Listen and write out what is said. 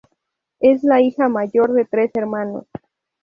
Es la hija mayor de tres hermanos.